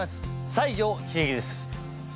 西城秀樹です。